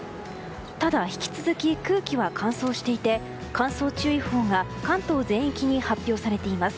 ただ引き続き空気は乾燥していて乾燥注意報が関東全域に発表されています。